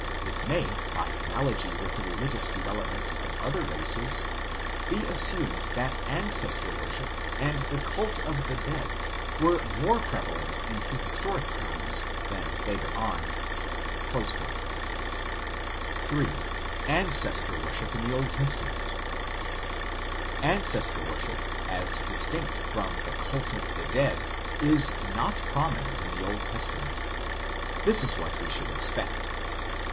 It may, by analogy with the religious develop ment of other races, be assumed that Ancestor worship and the Cult of the Dead were more prevalent in prehistoric times than later on." 1 III. ANCESTOR WORSHIP IN THE OLD TESTAMENT Ancestor worship, as distinct from the Cult of the Dead is not prominent in the Old Testament ; this is what we should expect.